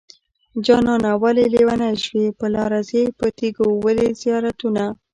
جانانه ولې لېونی شوې په لاره ځې په تيګو ولې زيارتونه